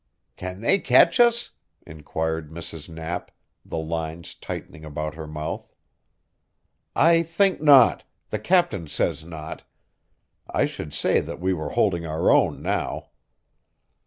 "Can they catch us?" inquired Mrs. Knapp, the lines tightening about her mouth. "I think not the captain says not. I should say that we were holding our own now."